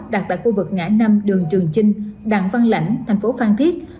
đặt tại khu vực ngã năm đường trường chinh đặng văn lãnh thành phố phan thiết